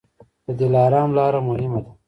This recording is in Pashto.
د دلارام لاره مهمه ده